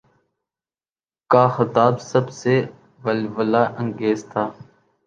کا خطاب سب سے ولولہ انگیز تھا۔